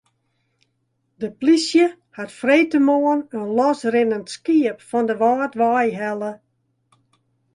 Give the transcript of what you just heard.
De plysje hat freedtemoarn in losrinnend skiep fan de Wâldwei helle.